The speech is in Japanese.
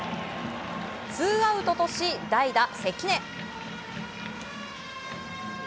ツーアウトとし代打、関根。